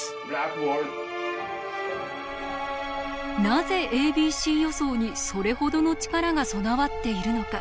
なぜａｂｃ予想にそれほどの力が備わっているのか。